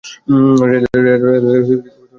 রেলওয়ের জমির উপর এটি নির্মিত।